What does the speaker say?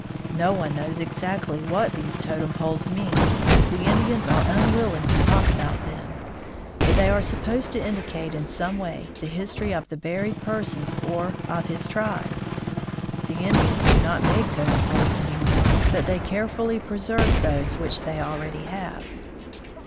No one knows exactly what these totem poles mean, as the Indians are unwilling to talk about them, but they are supposed to indicate in some way the history of the buried person or of his tribe. The Indians do not make totem poles any more, but they care fully preserve those which they already have.